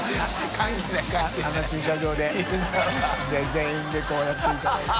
完こうやっていただいて。